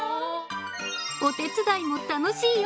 お手伝いも楽しいよ。